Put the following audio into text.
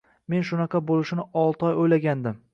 Men shunaqa boʻlishini olti oy oʻylagandim